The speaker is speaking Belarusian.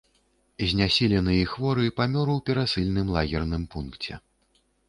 Знясілены і хворы памёр у перасыльным лагерным пункце.